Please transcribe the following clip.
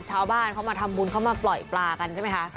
ชาวบ้านเขามาทำบุญเขามาปล่อยปลากันใช่ไหมคะ